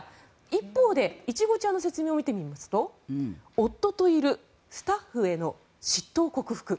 一方で、イチゴちゃんの説明を見てみますと夫といるスタッフへの嫉妬を克服